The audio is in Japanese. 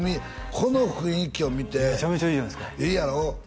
この雰囲気を見てめちゃめちゃいいじゃないですかいいやろ